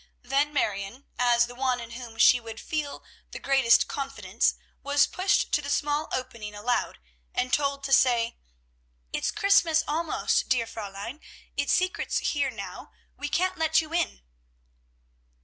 Then Marion, as the one in whom she would feel the greatest confidence, was pushed to the small opening allowed, and told to say, "It's Christmas, almost, dear Fräulein. It's secrets here now. We can't let you in."